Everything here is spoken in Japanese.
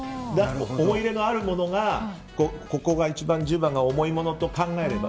思い入れのあるものがここが一番、１０番が重いものと考えれば。